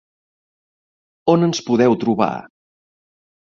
On ens podeu trobar?